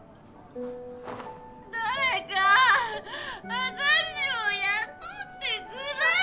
誰かぁ私を雇ってください！